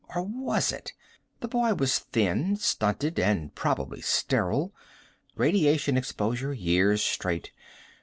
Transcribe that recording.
Or was it? The boy was thin, stunted. And probably sterile. Radiation exposure, years straight.